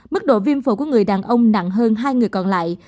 mức độ viêm phổi của người đàn ông nặng hơn hai người còn lại